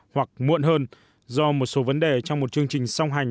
hoặc muộn hơn do một số vấn đề trong một chương trình song hành